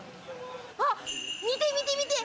あっ見て見て見て！